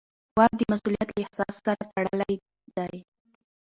واک د مسوولیت له احساس سره تړلی دی.